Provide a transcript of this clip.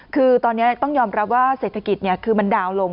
คือตอนนี้ต้องยอมรับว่าเศรษฐกิจคือมันดาวนลง